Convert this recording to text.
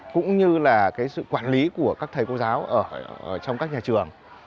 cũng như là sự quản lý của các thầy cô giáo ở trong các nhà trường